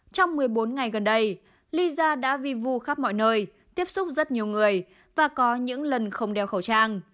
trong một mươi bốn ngày gần đây lyza đã vi vu khắp mọi nơi tiếp xúc rất nhiều người và có những lần không đeo khẩu trang